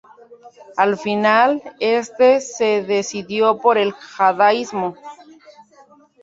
Al final, este se decidió por el Judaísmo.